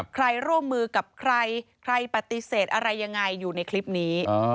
ใครร่วมมือกับใครใครปฏิเสธอะไรยังไงอยู่ในคลิปนี้